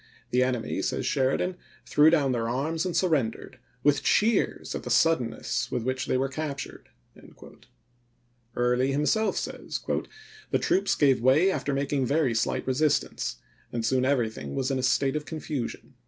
The enemy," says Sheridan, " threw down Febm27 their arms and surrendered, with cheers at the 1865. ' suddenness with which they were captured." Early himself says, "The troops gave way after making very slight resistance, and soon everything was in a state of confusion."